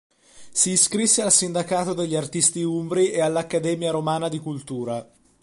Si iscrisse al Sindacato degli artisti umbri e all'Accademia Romana di Cultura.